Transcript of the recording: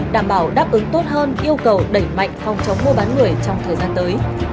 đảm bảo đáp ứng tốt hơn yêu cầu đẩy mạnh phòng chống mua bán người trong thời gian tới